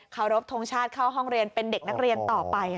รบทรงชาติเข้าห้องเรียนเป็นเด็กนักเรียนต่อไป